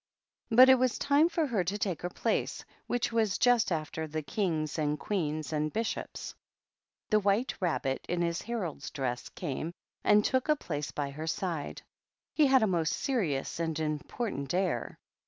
But it was time for her to take her place, which was just after the Kings and Queens and Bishops. The White Rabbit in his herald's dress came and took a place by her side ; he had a most serious and important air.